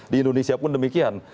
di indonesia pun demikian